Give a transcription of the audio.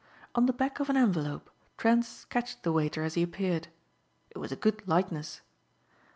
On the back of an envelope Trent sketched the waiter as he appeared. It was a good likeness.